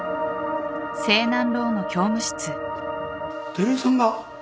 照井さんが？